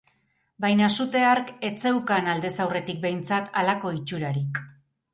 Baina sute hark ez zeukan, aldez aurretik behintzat, halako itxurarik.